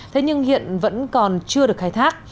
thế nhưng hiện vẫn còn chưa được khai thác